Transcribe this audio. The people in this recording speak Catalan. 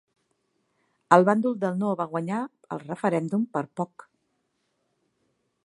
El bàndol del no va guanyar el referèndum per poc.